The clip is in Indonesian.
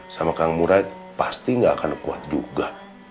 sama kang murai pasti gak akan kuat juga